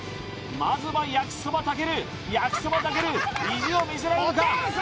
まずは焼きそばたける焼きそばたける意地を見せられるか？